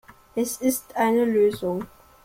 Es ist eine Lösung.